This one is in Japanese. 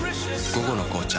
「午後の紅茶」